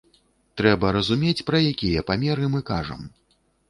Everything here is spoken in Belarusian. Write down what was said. Трэба разумець, пра якія памеры мы кажам.